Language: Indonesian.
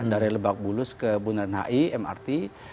dari lebak bulus ke bundaran hi mrt